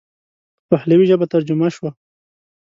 په پهلوي ژبه ترجمه شوه.